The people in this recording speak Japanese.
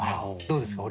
どうですか？